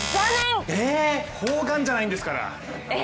砲丸じゃないんですから。